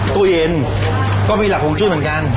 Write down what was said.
ตู้เย็นก็มีหลักห่วงจุ้นเหมือนกัน